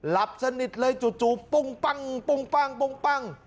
หลับสนิทเลยจู่จู่ปุ้งปั้งปุ้งปั้งปุ้งปั้ง